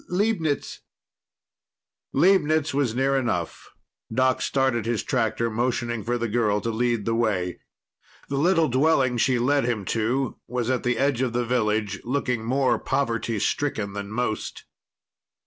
"Leibnitz." Leibnitz was near enough. Doc started his tractor, motioning for the girl to lead the way. The little dwelling she led him to was at the edge of the village, looking more poverty stricken than most.